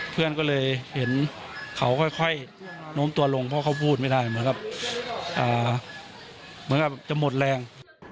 เพื่อนก็เลยเห็นเขาค่อยโน้มตัวลงเพราะเขาพูดไม่ได้เหมือนกับจะหมดแรง